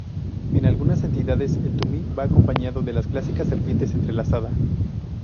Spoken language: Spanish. En algunas entidades el tumi va acompañado de las clásicas serpientes entrelazada.